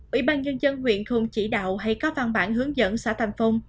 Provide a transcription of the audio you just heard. ủy ban nhân dân huyện không chỉ đạo hay có văn bản hướng dẫn xã tàm phong